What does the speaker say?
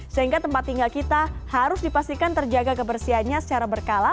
sehingga tempat tinggal kita harus dipastikan terjaga kebersihannya secara berkala